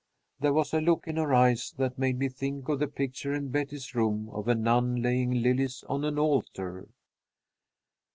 There was a look in her eyes that made me think of the picture in Betty's room of a nun laying lilies on an altar.